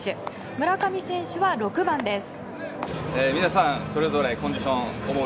村上選手は６番です。